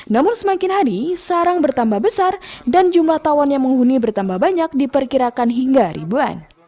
namun semakin hari sarang bertambah besar dan jumlah tawon yang menghuni bertambah banyak diperkirakan hingga ribuan